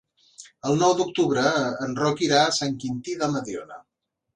El nou d'octubre en Roc irà a Sant Quintí de Mediona.